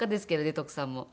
徳さんも。